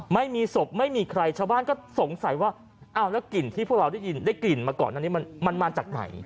ไม่มีศพไม่มีใครชาวบ้านก็สงสัยว่ากลิ่นที่พวกเราได้กลิ่นมาก่อนมันมาจากไหน